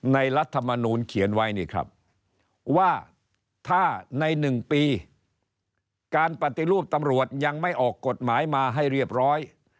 รัฐมนูลเขียนไว้นี่ครับว่าถ้าใน๑ปีการปฏิรูปตำรวจยังไม่ออกกฎหมายมาให้เรียบร้อย